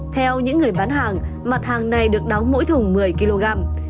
theo những người bán hàng mặt hàng này được đóng mỗi thùng một mươi kg